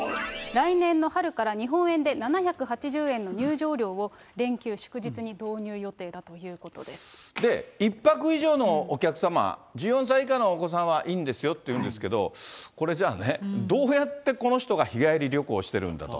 来年の春から日本円で７８０円の入場料を連休、で、１泊以上のお客様、１４歳以下のお子様はいいんですよって言うんですけど、これじゃあね、どうやってこの人が日帰り旅行しているんだと。